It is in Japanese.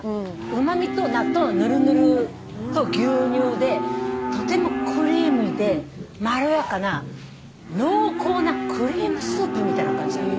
うま味と納豆のぬるぬると牛乳でとてもクリーミーでまろやかな濃厚なクリームスープみたいな感じなの。